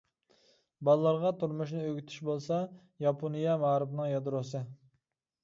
بالىلارغا تۇرمۇشنى ئۆگىتىش بولسا، ياپونىيە مائارىپنىڭ يادروسى.